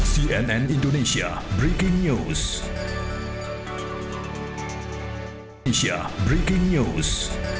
cnn indonesia breaking news